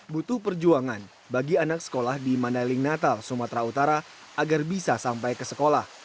butuh perjuangan bagi anak sekolah di mandailing natal sumatera utara agar bisa sampai ke sekolah